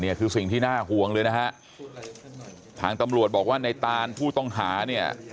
นี่คือสิ่งที่น่าห่วงเลยนะฮะทางตำรวจบอกว่าในตานผู้ต้องหาเนี่ย